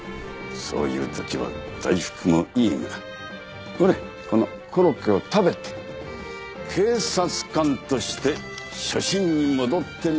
そういう時は大福もいいがほれこのコロッケを食べて警察官として初心に戻ってみるのもいい。